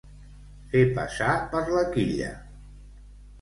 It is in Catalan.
Fer passar per la quilla.